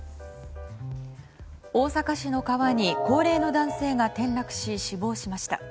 大阪市の川に高齢の男性が転落し死亡しました。